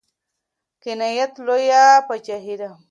قناعت لويه پاچاهي ده.